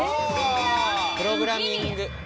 プログラミング。